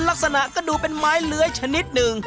ลักษณะก็ดูเป็นไม้เลื้อยชนิดหนึ่ง